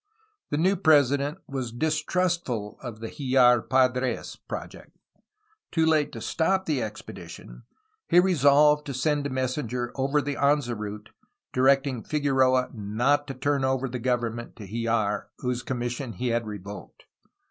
The new president was distrustful of the Hfjar Padr^s project. Too late to stop the expedition he resolved to send a messenger over the Anza route, directing Figueroa not to turn over the government to Hljar, whose commission he had revoked.